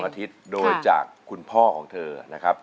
อาทิตย์โดยจากคุณพ่อของเธอนะครับ